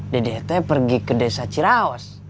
dedet pergi ke desa ciraos